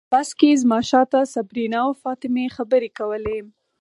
په بس کې زما شاته صبرینا او فاطمه خبرې کولې.